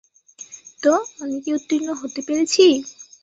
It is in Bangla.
তো, আমি কি উত্তীর্ণ হতে পেরেছি?